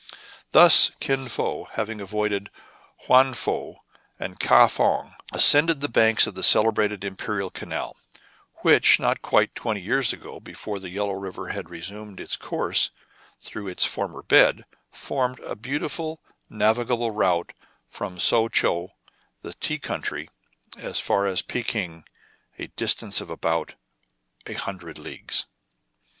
Thus Kin Fo, having avoided Houan Fou and 134 TRIBULATIONS OF A CHINAMAN, Ca fong, ascended the banks of the celebrated Im perial Canal, which, not quite twenty years ago, before the Yellow River had resumed its course through its former bed, formed, a beautiful navi gable route from Sou Tcheou, the tea country, as far as Pekin, a distance of about a hundred leagues.